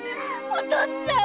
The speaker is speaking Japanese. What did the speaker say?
お父っつあん